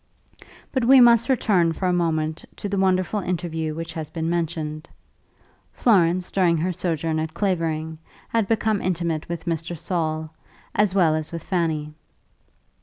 But we must return for a moment to the wonderful interview which has been mentioned. Florence, during her sojourn at Clavering, had become intimate with Mr. Saul, as well as with Fanny.